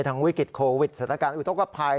วิกฤตโควิดสถานการณ์อุทธกภัย